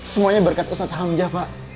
semuanya berkat ustaz hamzah pak